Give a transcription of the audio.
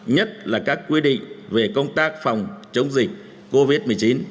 nhất là các quy định về công tác phòng chống dịch covid một mươi chín